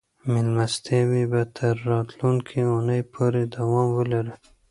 مېلمستیاوې به تر راتلونکې اونۍ پورې دوام ولري.